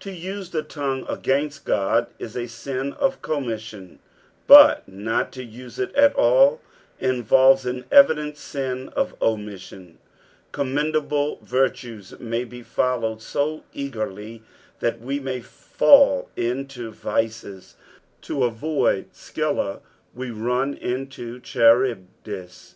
To use the tongue ngaiost Qod is a sin of commisaion, but not to nae it at aU inTolres an evident gin of omission. Commendable virtues ma; be followed BO eagerly that we may fall into Tices ; to avoid Scylla we run into Charvbdis.